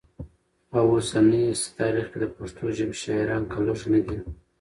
او اوسني تاریخ کي د پښتو ژبې شاعران که لږ نه دي